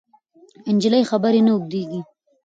نجلۍ خبرې نه اوږدوي.